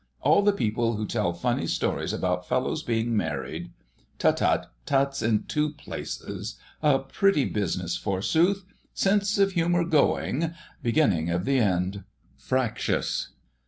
All the people who tell funny stories about fellows being married——" "Tut, tut! Tuts in two places! A pretty business, forsooth! Sense of humour going. Beginning of the end. Fractious.